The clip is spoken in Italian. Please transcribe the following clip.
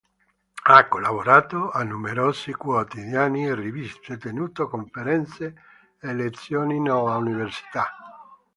Ha collaborato a numerosi quotidiani e riviste, tenuto conferenze e lezioni nelle università.